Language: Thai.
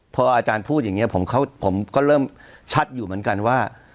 พออาจารย์พูดอย่างนี้ผมก็เริ่มชัดอยู่เหมือนกันว่า